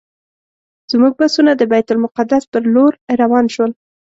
زموږ بسونه د بیت المقدس پر لور روان شول.